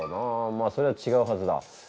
まそれはちがうはずだ。